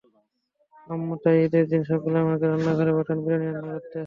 আম্মু তাই ঈদের দিন সকালে আমাকেই রান্নাঘরে পাঠান বিরিয়ানি রান্না করতে।